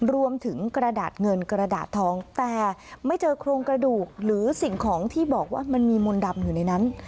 รวมถึงกระดาษเงินกระดาษทองแต่ไม่เจอโครงกระดูกหรือสิ่งของที่บอกว่ามันมีมนต์ดำอยู่ในนั้น